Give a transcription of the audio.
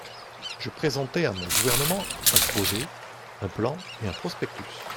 Je présentai à mon gouvernement un projet, un plan et un prospectus…